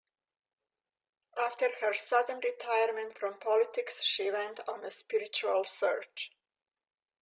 After her sudden retirement from politics she went on a "spiritual search".